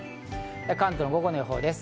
関東の午後の予報です。